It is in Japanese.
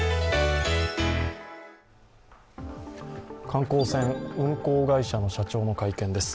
観光船、運航会社の社長の会見です。